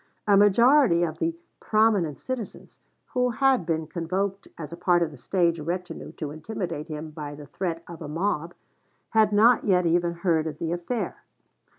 A majority of the "prominent citizens," who had been convoked as a part of the stage retinue to intimidate him by the threat of a mob, had not yet even heard of the affair.